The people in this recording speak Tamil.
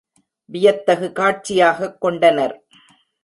வியத்தகு காட்சியாகக் கொண்டனர்.